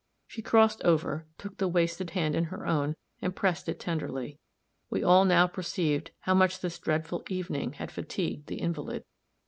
She crossed over, took the wasted hand in her own, and pressed it tenderly. We all now perceived how much this dreadful evening had fatigued the invalid.